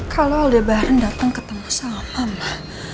kalau aldebaran datang ketemu sama mama